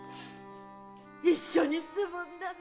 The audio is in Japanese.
一緒に住むんだね？